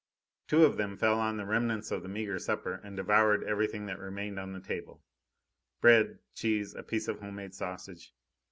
Two of them fell on the remnants of the meagre supper and devoured everything that remained on the table bread, cheese, a piece of home made sausage.